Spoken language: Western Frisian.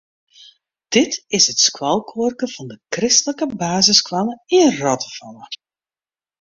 Dit is it skoalkoarke fan de kristlike basisskoalle yn Rottefalle.